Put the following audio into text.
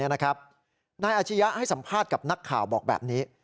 นายอาชียะให้สัมภาษณ์กับนักข่าวบอกแบบนี้